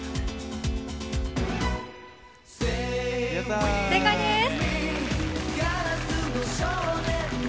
正解です！